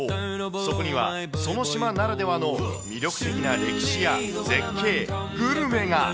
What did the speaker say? そこには、その島ならではの魅力的な歴史や絶景、グルメが。